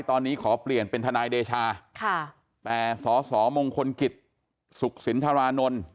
ตอนนี้ขอเปลี่ยนเป็นทนายเดชาแต่สสมงคลกิจสุขสินทรานนท์